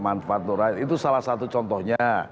manfaat untuk rakyat itu salah satu contohnya